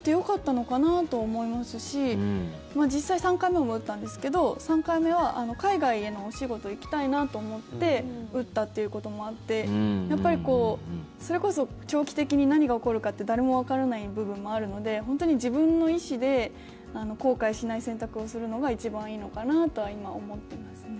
症状が軽かったんじゃないですかねっていうふうに言われてあっ、それだったら打ってよかったのかなと思いますし実際、３回目も打ったんですけど３回目は海外へのお仕事行きたいなと思って打ったということもあってそれこそ長期的に何が起こるかって誰もわからない部分もあるので本当に自分の意思で後悔しない選択をするのが一番いいのかなとは今、思ってますね。